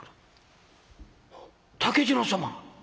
「竹次郎様」。